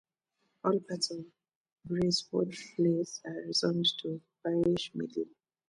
All parts of Braeswood Place are zoned to Pershing Middle.